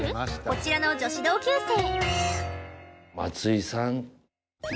こちらの女子同級生。